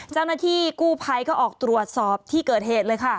เจ้าหน้าที่กู้ภัยก็ออกตรวจสอบที่เกิดเหตุเลยค่ะ